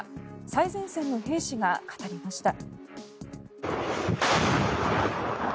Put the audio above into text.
最前線の兵士が語りました。